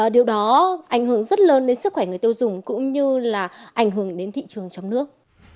điều đó ảnh hưởng rất lớn đến sức khỏe người tiêu dùng cũng như là ảnh hưởng đến thị trường trong nước